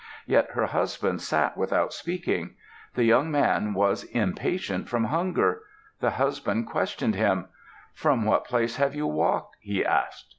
Yet her husband sat without speaking. The young man was impatient from hunger. The husband questioned him: "From what place have you walked?" he asked.